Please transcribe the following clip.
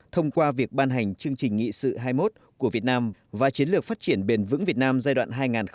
thông qua việc ban hành chương trình nghị sự hai mươi một của việt nam và chiến lược phát triển bền vững việt nam giai đoạn hai nghìn hai mươi một hai nghìn ba mươi